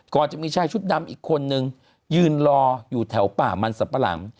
ก่อนจะมีชายชุดดำอีกคนนึงยืนรออยู่แถวป่ามันสัมปะหลัง